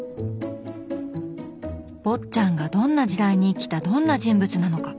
坊っちゃんがどんな時代に生きたどんな人物なのか？